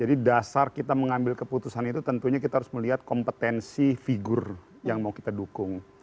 jadi dasar kita mengambil keputusan itu tentunya kita harus melihat kompetensi figur yang mau kita dukung